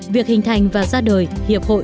việc hình thành và ra đời hiệp hội